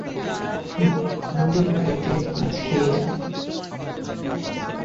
আমাদের বাড়িতে আজ খেয়ে যান।